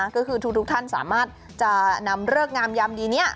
ก็คือทุกท่านสามารถจะนำเริกงามยามดีนี้